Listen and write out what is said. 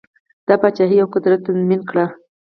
دا پاچهي او قدرت تضمین کړي.